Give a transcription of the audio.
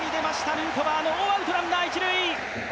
ヌートバー、ノーアウト・ランナー一塁。